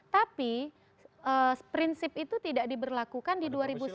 tapi prinsip itu tidak diberlakukan di dua ribu sembilan belas